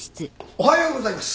おはようございます。